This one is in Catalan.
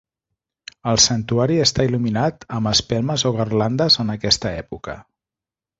El santuari està il·luminat amb espelmes o garlandes en aquesta època.